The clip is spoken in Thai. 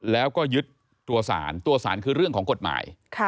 แล้วก็ยึดตัวสารตัวสารคือเรื่องของกฎหมาย